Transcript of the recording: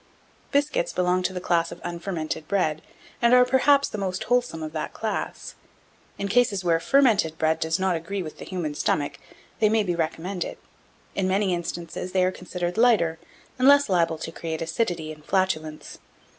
1713. Biscuits belong to the class of unfermented bread, and are, perhaps, the most wholesome of that class. In cases where fermented bread does not agree with the human stomach, they may be recommended: in many instances they are considered lighter, and less liable to create acidity and flatulence.